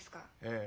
ええ。